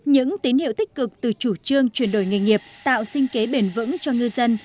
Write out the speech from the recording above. những tín hiệu tích cực từ chủ trương chuyển đổi nghề nghiệp tạo sinh kế bền vững cho ngư dân